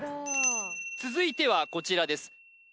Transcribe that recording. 続いてはこちらです